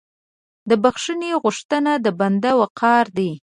د بخښنې غوښتنه د بنده وقار دی.